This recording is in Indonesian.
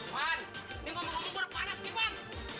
pan ini mau mengumpul panas nih pan